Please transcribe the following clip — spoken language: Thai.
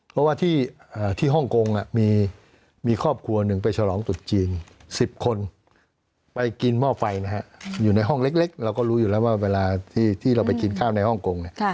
เพราะว่าที่ฮ่องกงมีครอบครัวหนึ่งไปฉลองตุดจีน๑๐คนไปกินหม้อไฟนะฮะอยู่ในห้องเล็กเราก็รู้อยู่แล้วว่าเวลาที่เราไปกินข้าวในฮ่องกง